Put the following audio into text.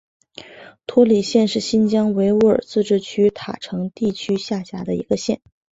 托里县是新疆维吾尔自治区塔城地区下辖的一个县。